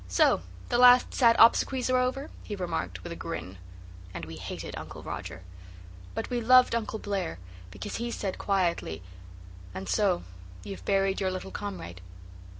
"So the last sad obsequies are over?" he remarked with a grin. And we hated Uncle Roger. But we loved Uncle Blair because he said quietly, "And so you've buried your little comrade?"